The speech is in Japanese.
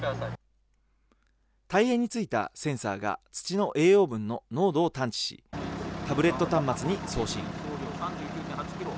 タイヤについたセンサーが土の栄養分の濃度を探知し、タブレット端末に送信。